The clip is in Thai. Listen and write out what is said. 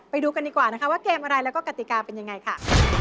ไปดูกันดีกว่านะคะว่าเกมอะไรแล้วก็กติกาเป็นยังไงค่ะ